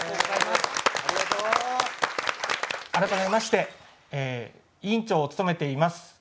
改めまして委員長を務めています